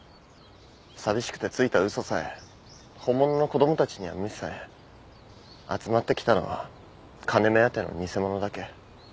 寂しくてついた嘘さえ本物の子供たちには無視され集まってきたのは金目当ての偽者だけ。